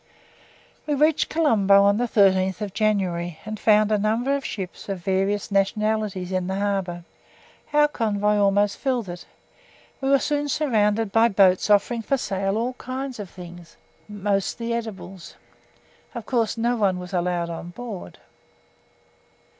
We reached Colombo on the 13th January, and found a number of ships of various nationalities in the harbour. Our convoy almost filled it. We were soon surrounded by boats offering for sale all sorts of things, mostly edibles. Of course no one was allowed on board.